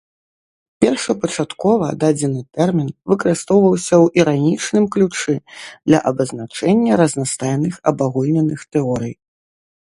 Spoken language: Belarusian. Першапачаткова дадзены тэрмін выкарыстоўваўся ў іранічным ключы для абазначэння разнастайных абагульненых тэорый.